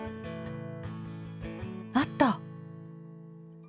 あった。